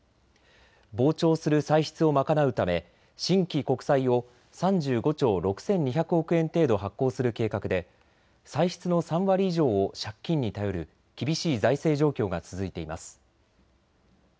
膨張する歳出を賄うため新規国債を３５兆６２００億円程度、発行する計画で歳出の３割以上を借金に頼る厳しい財政状況が続いています。